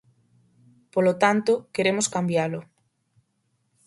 Polo tanto, queremos cambialo.